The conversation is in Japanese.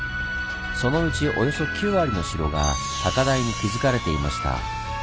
そのうちおよそ９割の城が高台に築かれていました。